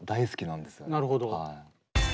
なるほど。